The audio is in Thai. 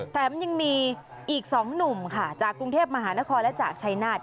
แถมยังมีอีก๒หนุ่มค่ะจากกรุงเทพมหานครและจากชายนาฏ